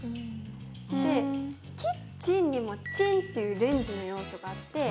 で「キッチン」にも「チン」っていうレンジの要素があって。